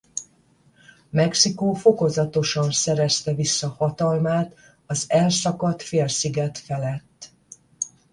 Mexikó fokozatosan szerezte vissza hatalmát az elszakadt félsziget felett.